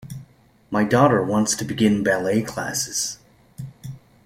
My daughter wants to begin ballet classes.